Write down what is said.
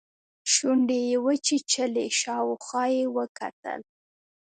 شونډې يې وچيچلې شاوخوا يې وکتل.